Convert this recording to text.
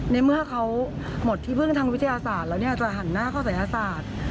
ในเมื่อเขาหมดที่พึ่งทางวิทยาศาสตร์แล้วจะหันหน้าเข้าศัยศาสตร์